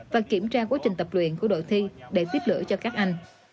và kiểm tra quá trình tập luyện của đội thi để tiếp lửa cho các anh